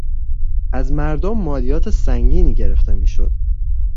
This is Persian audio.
از مردم مالیات سنگینی گرفته میشد.